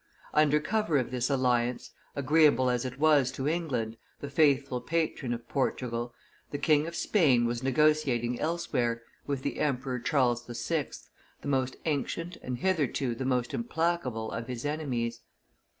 Under cover of this alliance, agreeable as it was to England, the faithful patron of Portugal, the King of Spain was negotiating elsewhere, with the Emperor Charles VI., the most ancient and hitherto the most implacable of his enemies.